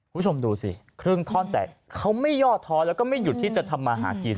คุณผู้ชมดูสิครึ่งท่อนแตกเขาไม่ย่อท้อแล้วก็ไม่หยุดที่จะทำมาหากิน